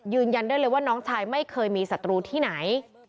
ยืนยันได้เลยว่าน้องชายไม่เคยมีศัตรูที่ไหน